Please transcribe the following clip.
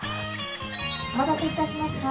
「お待たせ致しました。